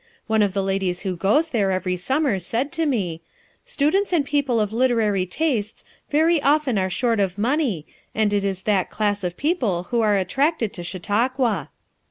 One of the ladies who goes there every summer said to me: u 'Students and people of literary tastes very often are short of money, and it is that class of people who are attracted to Chautauqua.'